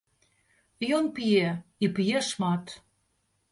Ён п'е і п'е шмат.